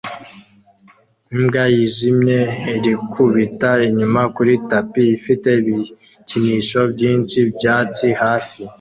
Imbwa yijimye irikubita inyuma kuri tapi ifite ibikinisho byinshi byatsi hafi